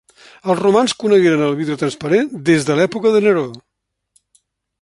Els romans conegueren el vidre transparent, des de l'època de Neró.